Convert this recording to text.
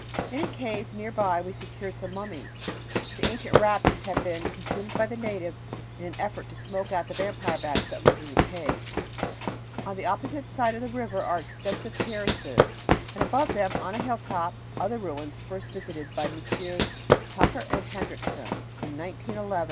In a cave near by we secured some mummies. The ancient wrappings had been consumed by the natives in an effort to smoke out the vampire bats that lived in the cave. On the opposite side of the river are extensive terraces and above them, on a hilltop, other ruins first visited by Messrs. Tucker and Hendriksen in 1911.